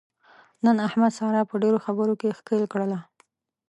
نن احمد ساره په ډېرو خبرو کې ښکېل کړله.